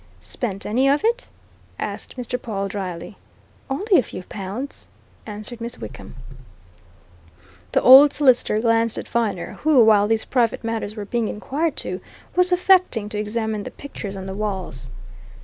"Spent any of it?" asked Mr. Pawle dryly. "Only a few pounds," answered Miss Wickham. The old solicitor glanced at Viner, who, while these private matters were being inquired into, was affecting to examine the pictures on the walls.